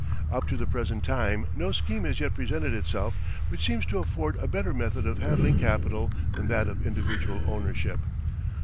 Up to the present time no scheme has yet presented itself which seems to afford a better method of handling capital than that of individual ownership.